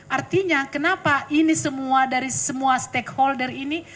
artinya kenapa ini semua dari semua stakeholder ini